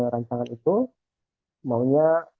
rancangan itu maunya